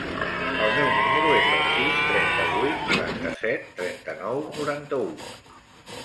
El meu número es el sis, trenta-vuit, noranta-set, trenta-nou, noranta-u.